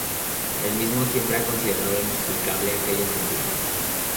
El mismo siempre ha considerado inexplicable aquella censura.